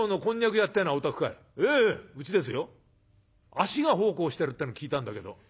「足が奉公してるっての聞いたんだけど」。